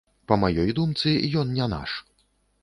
Па маёй думцы, ён не наш.